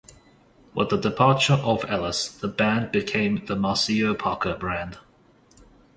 With the departure of Ellis the band became The Maceo Parker Band.